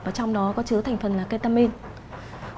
và trong đó có chứa thành phần là ketamine